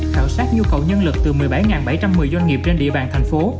khảo sát nhu cầu nhân lực từ một mươi bảy bảy trăm một mươi doanh nghiệp trên địa bàn thành phố